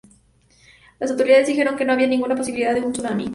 Las autoridades dijeron que no había ninguna posibilidad de un tsunami.